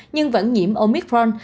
nhưng vẫn nhiễm omicron